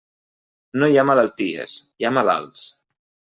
No hi ha malalties; hi ha malalts.